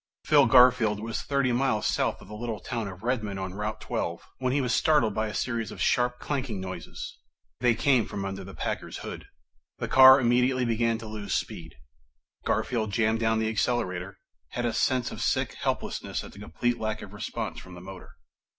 Phil Garfield was thirty miles south of the little town of Redmon on Route Twelve when he was startled by a series of sharp, clanking noises. They came from under the Packard's hood. The car immediately began to lose speed. Garfield jammed down the accelerator, had a sense of sick helplessness at the complete lack of response from the motor.